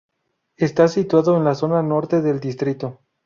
Está situado en la zona norte del distrito.